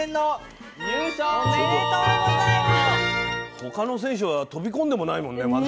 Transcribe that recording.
他の選手は飛び込んでもないもんねまだ。